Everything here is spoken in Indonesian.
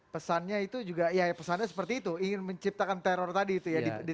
pesannya itu juga ya pesannya seperti itu ingin menciptakan teror tadi itu ya